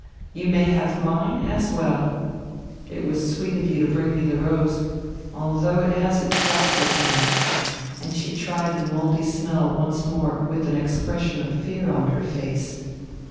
You may have mine as well! It was sweet of you to bring me the rose, although it has its doubtful side." And she tried the mouldy smell once more with an expression of fear on her face.